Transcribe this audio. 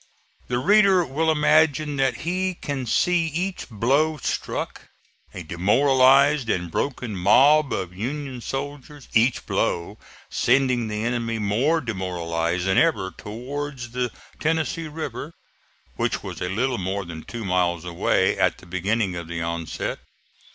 The reader will imagine that he can see each blow struck, a demoralized and broken mob of Union soldiers, each blow sending the enemy more demoralized than ever towards the Tennessee River, which was a little more than two miles away at the beginning of the onset.